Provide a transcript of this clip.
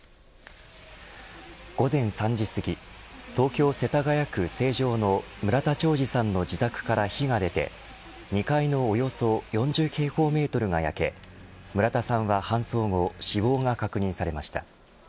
午前３時すぎ東京、世田谷区成城の村田兆治さんの自宅から火が出て２階のおよそ４０平方メートルが焼け村田さんは搬送後死亡が確認されました。